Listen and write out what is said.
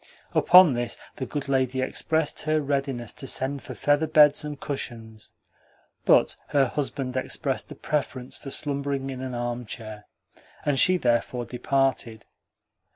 Upon this the good lady expressed her readiness to send for feather beds and cushions, but her husband expressed a preference for slumbering in an armchair, and she therefore departed.